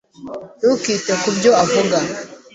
Ntukite ku byo avuga.